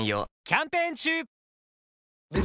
キャンペーン中！